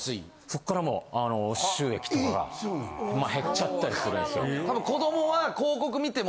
そっからもう収益とかが減っちゃったりするんですよ。